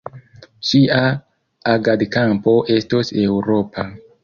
Ŝia agadkampo estos eŭropa.